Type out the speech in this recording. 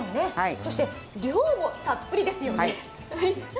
そして量もたっぷりですよね。